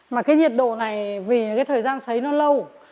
mà cái nhiệt độ này vì cái thời gian sấy nó lâu